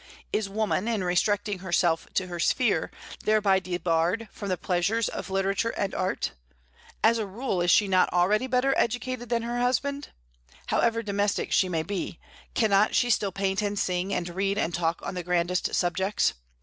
Is woman, in restricting herself to her sphere, thereby debarred from the pleasures of literature and art? As a rule, is she not already better educated than her husband? However domestic she may be, cannot she still paint and sing, and read and talk on the grandest subjects?